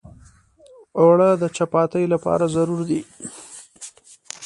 اوړه د چپاتي لپاره ضروري دي